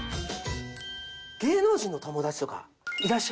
芸能人の友達とかいらっしゃいますかね？